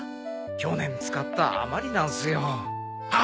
去年使った余りなんすよ。はあ！？